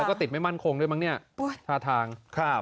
แล้วก็ติดไม่มั่นคงด้วยมั้งเนี่ยท่าทางครับ